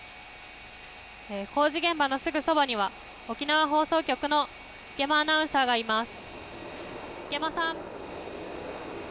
工事現場のすぐそばには、沖縄放送局の池間アナウンサーがいます。